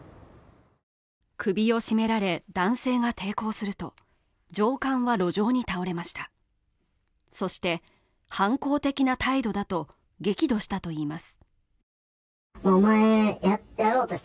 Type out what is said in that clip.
首を絞められ男性が抵抗すると上官は路上に倒れましたそして反抗的な態度だと激怒したといいます